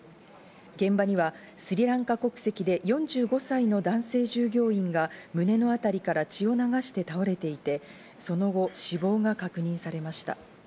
現場にはスリランカ国籍で４５歳の男性従業員が胸の辺りから血を流して倒れていて、その後、死亡が確認されました。